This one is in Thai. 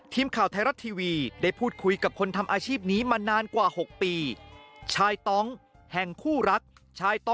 ติดตามพร้อมกันฮะ